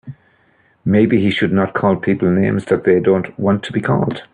Maybe he should not call people names that they don't want to be called.